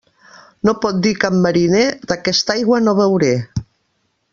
No pot dir cap mariner “d'aquesta aigua no beuré”.